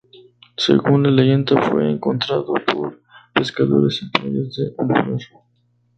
Según la leyenda, fue encontrado por pescadores en las playas de un lugar.